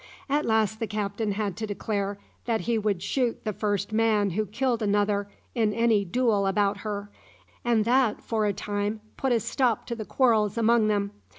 At last the captain had to declare that he would shoot the first man who killed another in any duel about her, and that, for a time, put a stop to the quarrels among them.